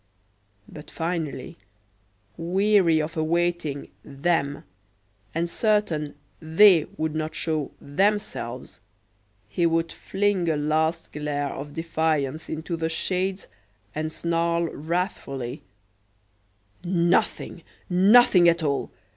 But, finally, weary of awaiting "them," and certain "they" would not show "themselves," he would fling a last glare of defiance into the shades and snarl wrathfully: "Nothing, nothing at all!